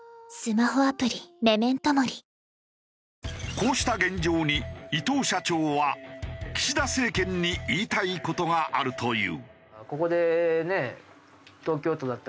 こうした現状に伊藤社長は岸田政権に言いたい事があるという。